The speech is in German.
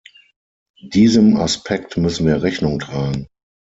Diesem Aspekt müssen wir Rechnung tragen.